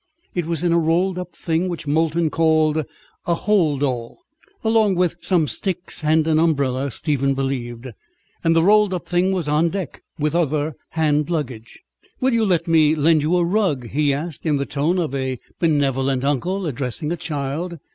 It was in a rolled up thing which Molton called a "hold all," along with some sticks and an umbrella, Stephen believed; and the rolled up thing was on deck, with other hand luggage. "Will you let me lend you a rug?" he asked, in the tone of a benevolent uncle addressing a child.